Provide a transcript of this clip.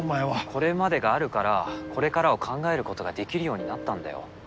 これまでがあるからこれからを考えることができるようになったんだよ。